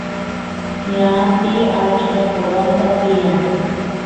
ñanpi achka qoronta tiyan